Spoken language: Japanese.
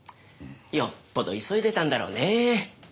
よっぽど急いでたんだろうね。